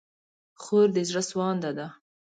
خور د زړه سوانده ده.